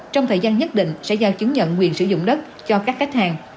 trong thời gian nhất định sẽ giao chứng nhận quyền sử dụng đất cho các khách hàng